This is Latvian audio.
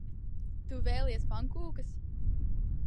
Tu v?lies pank?kas?